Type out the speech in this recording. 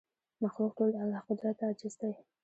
مخلوق ټول د الله قدرت ته عاجز دی